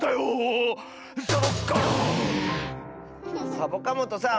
サボカもとさん